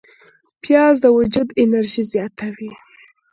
پیاز د وجود انرژي زیاتوي